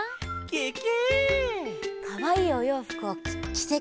ケケ！